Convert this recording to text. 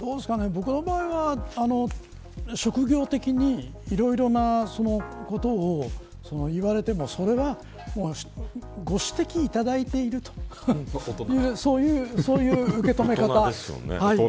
僕の場合は職業的にいろいろなことを言われてもそれは、ご指摘いただいていると大人ですよね。